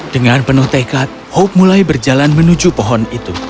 dengan penuh tekad hope mulai berjalan menuju pohon itu